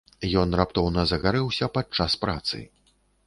Ён раптоўна загарэўся падчас працы.